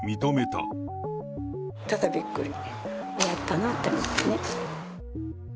ただびっくりやったなと思ってね。